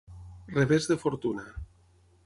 Revés de fortuna.